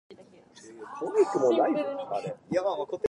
Two hours later the murderous actions began.